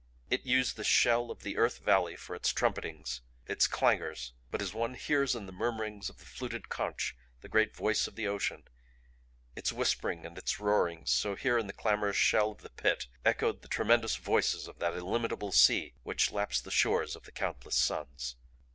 It used the shell of the earth valley for its trumpetings, its clangors but as one hears in the murmurings of the fluted conch the great voice of ocean, its whispering and its roarings, so here in the clamorous shell of the Pit echoed the tremendous voices of that illimitable sea which laps the shores of the countless suns.